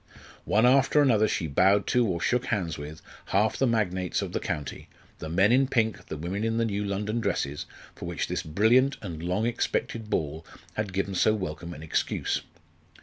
One after another she bowed to, or shook hands with, half the magnates of the county the men in pink, the women in the new London dresses, for which this brilliant and long expected ball had given so welcome an excuse.